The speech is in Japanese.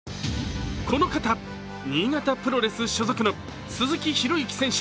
この方、新潟プロレス所属の鈴木敬喜選手